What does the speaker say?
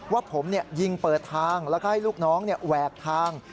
ว่าผมยิงเปิดทางแล้วก็ให้ลูกน้องแหวกทาง